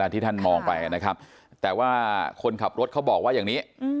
ที่ท่านมองไปนะครับแต่ว่าคนขับรถเขาบอกว่าอย่างนี้